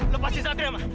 lepasin satria ma